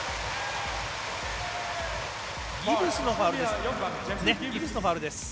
ギブスのファウルです。